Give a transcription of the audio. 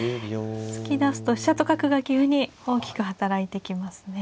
突き出すと飛車と角が急に大きく働いてきますね。